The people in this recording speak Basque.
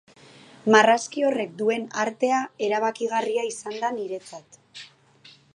Marrazki horrek duen artea erabakigarria izan zen niretzat.